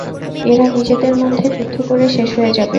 এরা নিজেদের মধ্যে যুদ্ধ করে শেষ হয়ে যাবে।